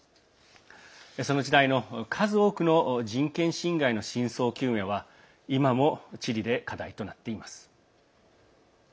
その時代の数多くの人権侵害の真相究明は今もチリで課題となっています。